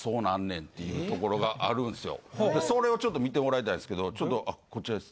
でそれをちょっと見てもらいたいんすけどちょっとこちらです。